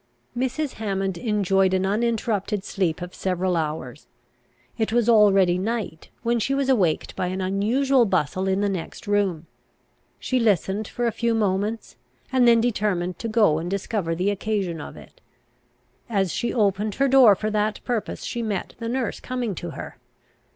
Mrs. Hammond enjoyed an uninterrupted sleep of several hours. It was already night, when she was awaked by an unusual bustle in the next room. She listened for a few moments, and then determined to go and discover the occasion of it. As she opened her door for that purpose, she met the nurse coming to her.